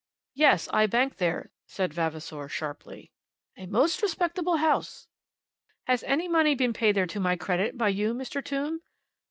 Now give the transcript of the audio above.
"Yes; I bank there," said Vavasor, sharply. "A most respectable house." "Has any money been paid there to my credit, by you, Mr. Tombe?"